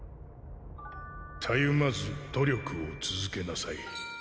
たゆまず努力を続けなさい。